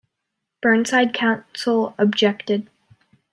Burnside Council objected.